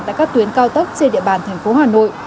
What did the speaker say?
tại các tuyến cao tốc trên địa bàn thành phố hà nội